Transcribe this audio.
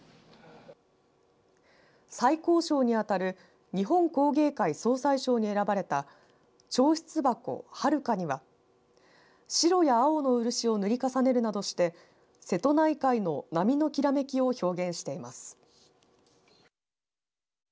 最高賞に当たる日本工芸会総裁賞に選ばれた彫漆箱遥かには白や青の漆を塗り重ねるなどして瀬戸内海の波のきらめきを表現しています。